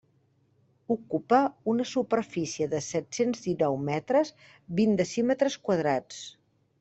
Ocupa una superfície de set-cents dinou metres, vint decímetres quadrats.